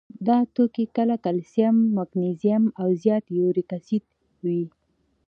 دا توکي کله کلسیم، مګنیزیم او زیات یوریک اسید وي.